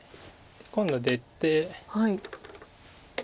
今度出て。